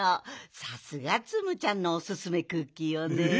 さすがツムちゃんのおすすめクッキーよね。